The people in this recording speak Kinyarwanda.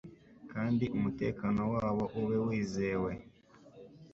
kandi umutekano wabo ube wizewe